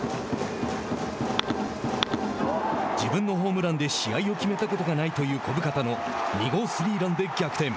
自分のホームランで試合を決めたことがないという小深田の２号スリーランで逆転。